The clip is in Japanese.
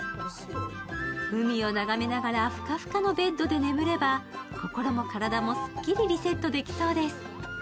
海を眺めながらふかふかのベッドで眠れば心も体もすっきりリセットできそうです。